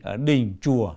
ở đỉnh chùa